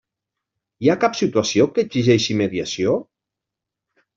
Hi ha cap situació que exigeixi mediació?